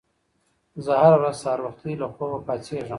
زه هره ورځ سهار وختي له خوبه پاڅېږم.